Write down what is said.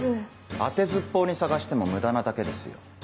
当てずっぽうに捜しても無駄なだけですよ。